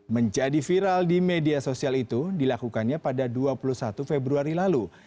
menjadi viral di media sosial itu dilakukannya pada dua puluh satu februari lalu